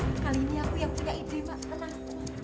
bener kali ini aku yang punya ide mak tenang